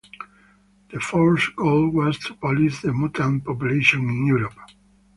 The force's goal was to police the mutant population in Europe.